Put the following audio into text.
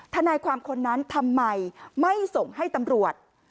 ทนายความคนนั้นทำไมไม่ส่งให้ตำรวจ